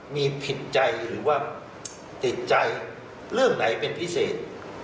มีผิดใจหรือว่าติดใจเรื่องไหนเป็นพิเศษ